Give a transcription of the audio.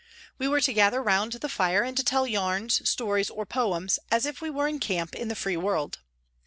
We were to gather round the fire, and to tell yarns, stories or poems, as if we were in camp in the free world.